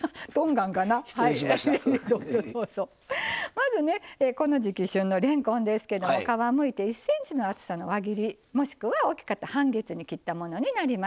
まずねこの時期旬のれんこんですけども皮むいて１ｃｍの厚さの輪切りもしくは大きかった半月に切ったものになります。